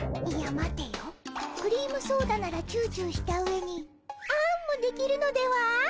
待てよクリームソーダならチューチューしたうえにあんもできるのでは？